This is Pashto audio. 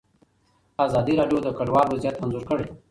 ازادي راډیو د کډوال وضعیت انځور کړی.